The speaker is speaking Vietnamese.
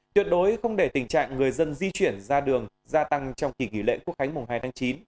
tuyệt đối không để tình trạng người dân di chuyển ra đường gia tăng trong kỳ kỷ lệ quốc khánh hai tháng chín